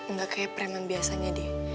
nggak kayak preman biasanya deh